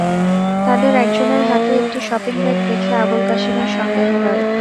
তাঁদের একজনের হাতে একটি শপিং ব্যাগ দেখে আবুল কাশেমের সন্দেহ হয়।